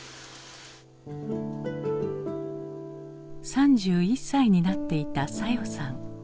３１歳になっていた早代さん。